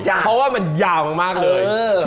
เพราะว่ามันยาวมากเลย